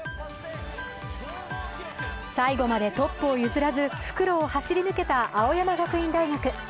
最後までトップを譲らず復路を走り抜けた青山学院大学。